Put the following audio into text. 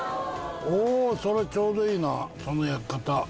それちょうどいいなその焼き方。